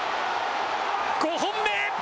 ５本目。